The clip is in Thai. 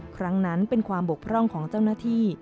ครั้งนั้นเป็นความบกพร่องของเจ้าหน้าที่